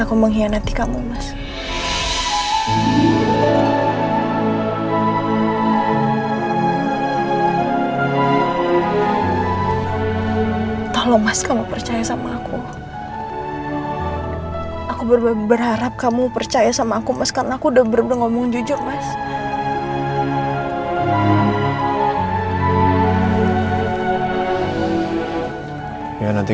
udah sana istirahat